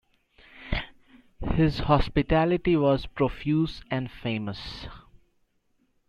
His hospitality was profuse and famous.